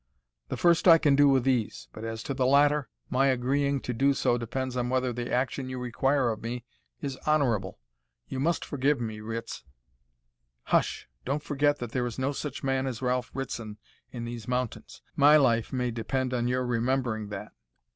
"The first I can do with ease, but as to the latter, my agreeing to do so depends on whether the action you require of me is honourable. You must forgive me, Rits " "Hush! Don't forget that there is no such man as Ralph Ritson in these mountains. My life may depend on your remembering that.